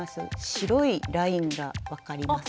白いラインが分かりますかね？